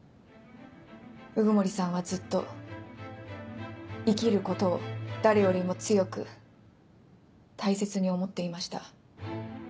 鵜久森さんはずっと生きることを誰よりも強く大切に思っていました。